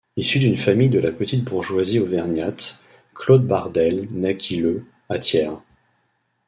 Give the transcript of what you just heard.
Issu d'une famille de la petite bourgeoisie auvergnate, Claude Bardel naquit le à Thiers.